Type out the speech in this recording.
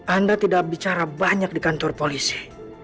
anda tidak bicara banyak di kantor polisi